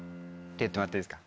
言ってもらっていいですか。